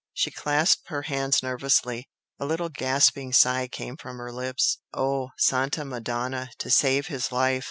She clasped her hands nervously. A little gasping sigh came from her lips. "Oh! Santa Madonna! to save his life!"